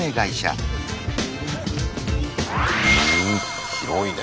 うん広いね。